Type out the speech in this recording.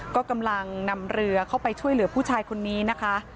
ก็กำลังนำเรือเข้าไปช่วยเหลือผู้ชายคนนี้นะคะ